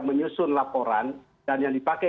menyusun laporan dan yang dipakai